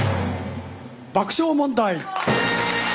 爆笑問題。